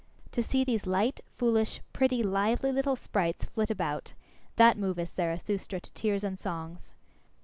To see these light, foolish, pretty, lively little sprites flit about that moveth Zarathustra to tears and songs.